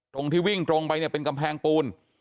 ตรงที่วิ่งตรงไปเนี่ยเป็นกำแพงปูน